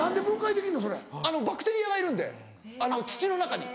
バクテリアがいるんで土の中に。